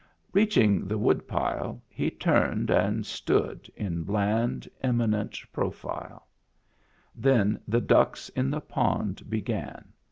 Reaching the woodpile, he turned and stood in bland, eminent profile. Then the ducks in the pond began.